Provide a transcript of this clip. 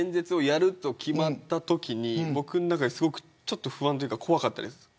演説をやると決まったときはちょっと不安というか怖かったです。